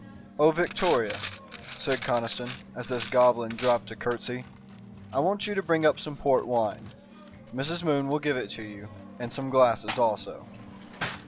"Oh, Victoria," said Conniston, as this goblin dropped a curtsey, "I want you to bring up some port wine. Mrs. Moon will give it to you and some glasses also."